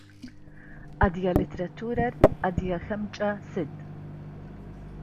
Адыгэ литературэр адыгэхэмкӏэ сыд?